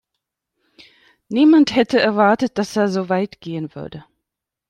Niemand hätte erwartet, dass er so weit gehen würde.